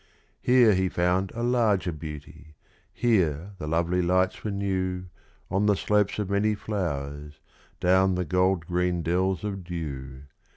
Here he found a larger beauty here the lovely lights were new On the slopes of many flowers, down the gold green dells of dew.